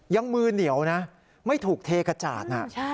ยังมือเหนียวนะไม่ถูกเทกระจาดนะ